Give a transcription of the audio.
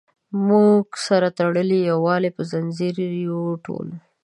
موږ سره تړلي د یووالي په زنځیر یو ټول.